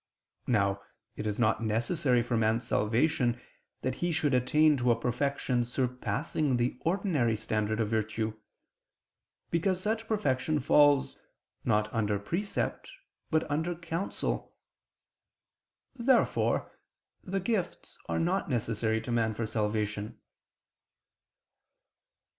Now it is not necessary for man's salvation that he should attain to a perfection surpassing the ordinary standard of virtue; because such perfection falls, not under the precept, but under a counsel. Therefore the gifts are not necessary to man for salvation.